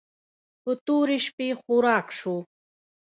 په تورې شپې خوراک شو.